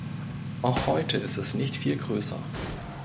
Auch heute ist es nicht viel größer.